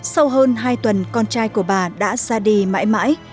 sau hơn hai tuần con trai của bà đã ra đi mãi mãi